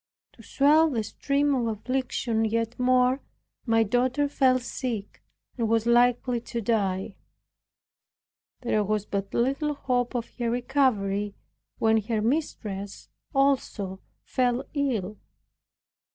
To swell the stream of affliction yet more, my daughter fell sick and was likely to die; there was but little hope of her recovery, when her mistress also fell ill.